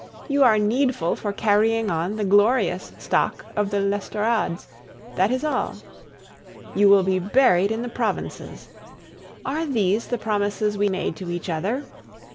You are needful for carrying on the glorious stock of the l'Estorades, that is all. You will be buried in the provinces. Are these the promises we made each other?